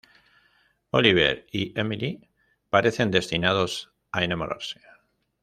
Oliver y Emily parecen destinados a enamorarse.